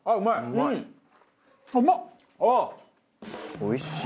おいしい！